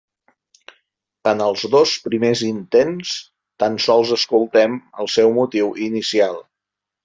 En els dos primers intents tan sols escoltem el seu motiu inicial.